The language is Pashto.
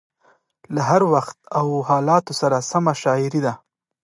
له هر وخت او حالاتو سره سمه شاعري ده.